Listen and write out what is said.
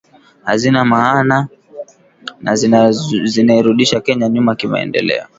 hazina maana na zinairudisha Kenya nyuma kimaendeleo